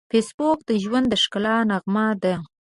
فېسبوک د ژوند د ښکلا نغمه ده